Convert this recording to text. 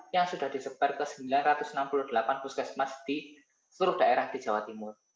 yang sudah disebar ke sembilan ratus enam puluh delapan puskesmas di seluruh daerah di jawa timur